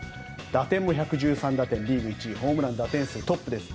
打点も１１３打点リーグ１位、ホームラン数打点数トップです。